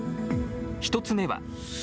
１つ目は。